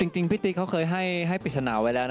จริงพี่ติ๊กเขาเคยให้ปริศนาไว้แล้วนะ